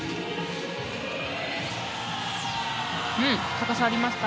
高さありました。